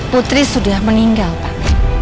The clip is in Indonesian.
putri sudah meninggal pak